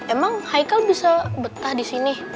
emang haikal bisa betah disini